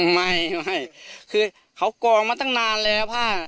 ไม่ไม่คือเขากองมาตั้งนานแล้วผ้า